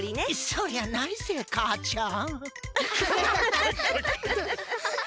そりゃないぜかあちゃん！